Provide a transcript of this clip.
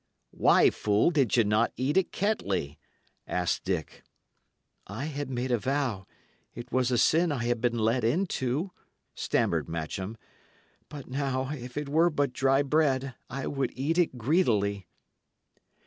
"Why, fool, did ye not eat at Kettley?" asked Dick. "I had made a vow it was a sin I had been led into," stammered Matcham; "but now, if it were but dry bread, I would eat it greedily."